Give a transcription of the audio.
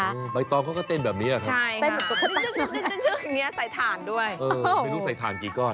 ใบตองเขาก็เต้นแบบนี้อ่ะครับใช่อย่างเงี้ใส่ถ่านด้วยเออไม่รู้ใส่ถ่านกี่ก้อน